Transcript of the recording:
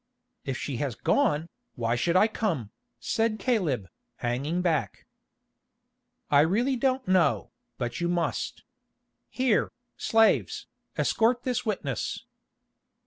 "If she has gone, why should I come?" said Caleb, hanging back. "I really don't know, but you must. Here, slaves, escort this witness."